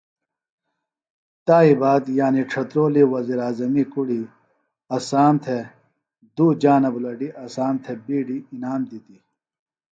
تائی باد یعنی ڇھترولی وزیراعظمی کُڑیۡ اسام تھےۡ دُو جانہ بُلڈیۡ اسام تھےۡ بِیڈیۡ اِنام دِتیۡ